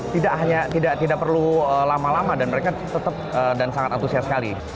tidak hanya tidak perlu lama lama dan mereka tetap dan sangat antusias sekali